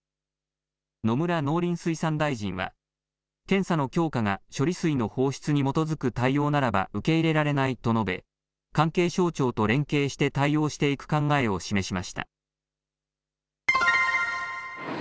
野村農林水産大臣は検査の強化が処理水の放出に基づく対応ならば受け入れられないと述べ関係省庁と連携して対応していく考えを示しました。